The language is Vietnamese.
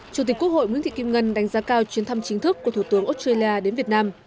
chủ tịch quốc hội nguyễn thị kim ngân đánh giá cao chuyến thăm chính thức của thủ tướng australia đến việt nam